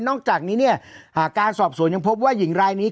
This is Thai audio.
อกจากนี้เนี่ยการสอบสวนยังพบว่าหญิงรายนี้